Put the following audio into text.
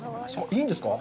いいんですか？